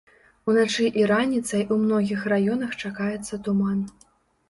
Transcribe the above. Уначы і раніцай у многіх раёнах чакаецца туман.